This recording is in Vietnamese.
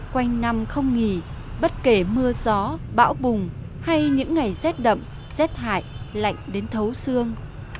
quanh năm không nghỉ bất kể mưa gió bão bùng hay những ngày rét đậm rét hại lạnh đến thấu xương